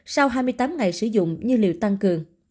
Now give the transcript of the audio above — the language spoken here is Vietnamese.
sau hai mươi tám ngày sử dụng như liều tăng cường